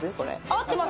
合ってます？